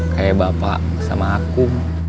kayak bapak sama aku